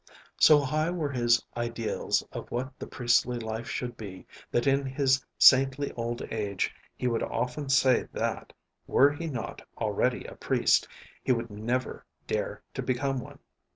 So high were his ideals of what the priestly life should be that in his saintly old age he would often say that, were he not already a priest, he would never dare to become one.